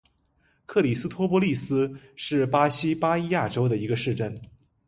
克里斯托波利斯是巴西巴伊亚州的一个市镇。